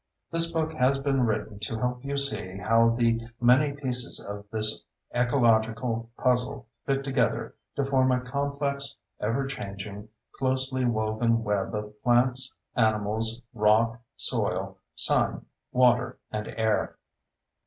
This book has been written to help you see how the many pieces of this ecological puzzle fit together to form a complex, ever changing, closely woven web of plants, animals, rock, soil, sun, water, and air.